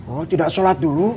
oh tidak sholat dulu